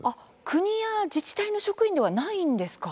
国や自治体の職員ではないんですか？